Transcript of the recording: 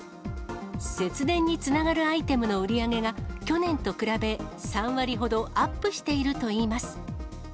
節電につながるアイテムの売り上げが去年と比べ３割ほどアップしているといいます。